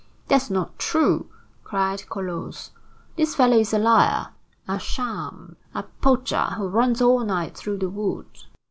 "That's not true," cried Colosse. "This fellow is a liar, a sham, a poacher, who runs all night through the wood."